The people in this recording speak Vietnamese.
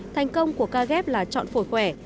thành công của ca ghép là chọn phổi khỏe